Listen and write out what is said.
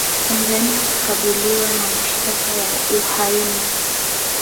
Tanzania kukabiliwa na mashtaka ya uhaini